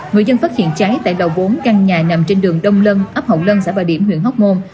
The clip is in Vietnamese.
người dân phát hiện cháy tại đầu bốn căn nhà nằm trên đường đông lân ấp hậu lân xã bà điểm huyện hóc môn